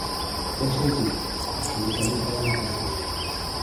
Ten sentido? Absolutamente nada confuso.